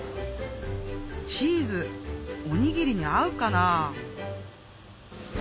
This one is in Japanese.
チーズおにぎりに合うかな？